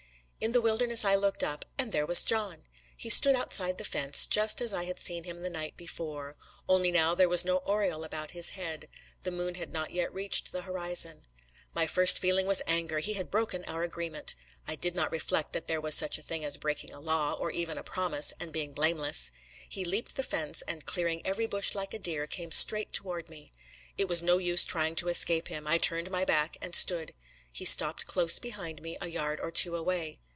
In the wilderness I looked up and there was John! He stood outside the fence, just as I had seen him the night before, only now there was no aureole about his head: the moon had not yet reached the horizon. My first feeling was anger: he had broken our agreement! I did not reflect that there was such a thing as breaking a law, or even a promise, and being blameless. He leaped the fence, and clearing every bush like a deer, came straight toward me. It was no use trying to escape him. I turned my back, and stood. He stopped close behind me, a yard or two away.